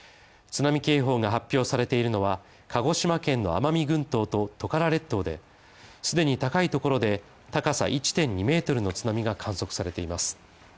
津波警報が発表されているのは、鹿児島県の奄美群島とトカラ列島で既に高いところで、高さ１．２ｍの津波が観測されています。